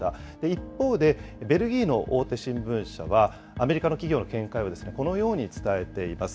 一方で、ベルギーの大手新聞社は、アメリカの企業の見解をこのように伝えています。